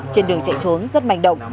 trên đường chạy trốn rất manh động